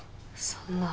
そんな。